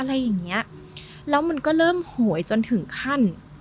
แล้วมันก็เริ่มหวยจนถึงขั้น